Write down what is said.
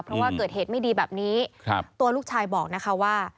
เพราะว่าเกิดเหตุไม่ดีแบบนี้ตัวลูกชายบอกนะคะว่า